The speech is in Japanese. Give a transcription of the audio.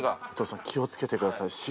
伊藤さん気をつけてください。